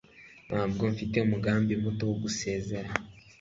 Ntabwo mfite umugambi muto wo gusezera.